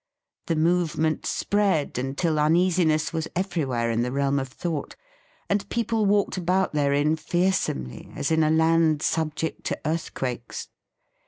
The movement spread until uneasiness was everywhere in the realm of thought, and people walked about therein fear somely, as in a land subject to earth quakes.